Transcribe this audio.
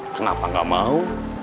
kenapa gak mau